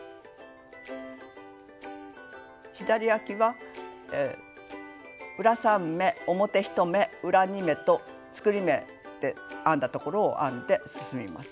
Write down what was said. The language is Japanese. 左わきは裏３目表１目裏２目と作り目で編んだところを編んで進みます。